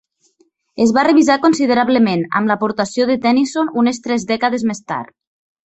Es va revisar considerablement, amb l'aportació de Tennyson unes tres dècades més tard.